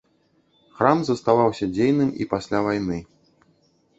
Храм заставаўся дзейным і пасля вайны.